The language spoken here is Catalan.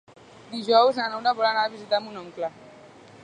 Dijous na Nora vol anar a visitar mon oncle.